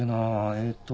えっと。